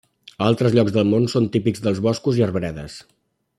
A altres llocs del món són típics dels boscos i arbredes.